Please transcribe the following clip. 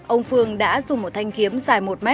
ông phương đã dùng một thanh kiếm dài một m